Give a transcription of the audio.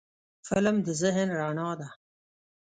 فلم د ذهن رڼا ده